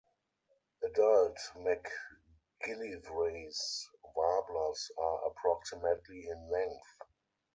Adult MacGillivray's warblers are approximately in length.